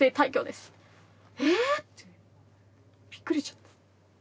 「え⁉」ってびっくりしちゃった。